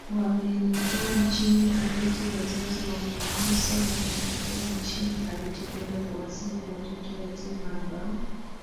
wameelekea nchini haiti wazazi wa ufaransa wameelekea nchini haiti kwenda kuasili watoto yatima ambao